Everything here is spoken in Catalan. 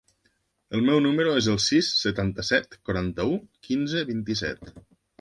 El meu número es el sis, setanta-set, quaranta-u, quinze, vint-i-set.